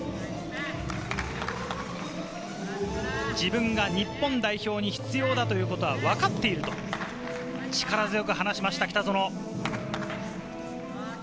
自分が日本代表に必要だということはわかっていると力強く話しました、北園。